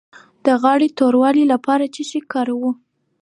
د غاړې د توروالي لپاره څه شی وکاروم؟